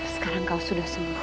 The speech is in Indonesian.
sekarang kau sudah sembuh